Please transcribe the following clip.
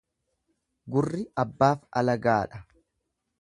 Gurri abbaaf alagaadha.